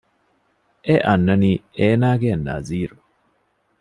އެ އަންނަނީ އޭނާގެ ނަޒީރު